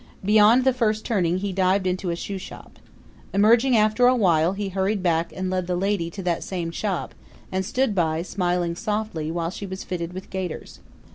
Beyond the first turning he dived into a shoe shop. Emerging after a while he hurried back and led the lady to that same shop, and stood by, smiling softly, while she was fitted with gaiters.